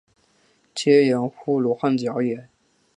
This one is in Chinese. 曷言乎罗汉脚也？